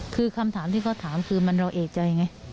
คือคำถามที่เขาถามคือเราเอกใจไง